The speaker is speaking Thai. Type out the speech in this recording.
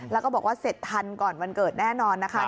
แล้วก็บอกว่าเสร็จทันก่อนวันเกิดแน่นอนนะคะ